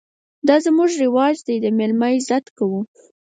_دا زموږ رواج دی، د مېلمه عزت کوو.